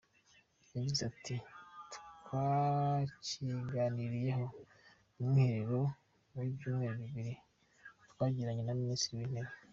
Yagize ati “Twakiganiriyeho mu mwiherero w’ibyumweru bibiri twagiranye na Minisitiri w’Intebe.